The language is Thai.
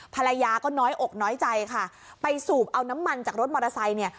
ภรรยาก็น้อยอกน้อยใจค่ะไปสูบเอาน้ำมันจากรถมอเตอร์ไซค์เนี่ย